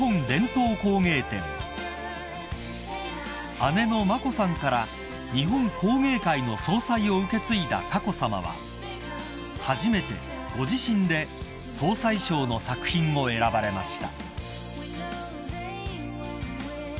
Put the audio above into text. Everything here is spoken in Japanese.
［姉の眞子さんから日本工芸会の総裁を受け継いだ佳子さまは初めてご自身で総裁賞の作品を選ばれました］